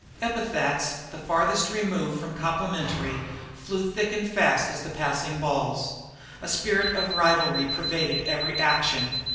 Epithets the farthest remove from complimentary flew thick and fast as the passing balls. A spirit of rivalry pervaded every action.